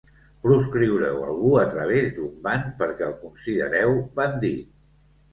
Proscriureu algú a través d'un ban perquè el considereu bandit.